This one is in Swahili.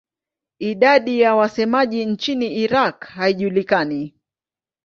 Idadi ya wasemaji nchini Iraq haijulikani.